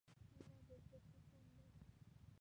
مینه د زړه سکون دی.